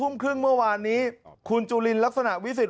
๕๓๐เมื่อวานนี้คุณจุฬินลักษณะวิสิทธิ์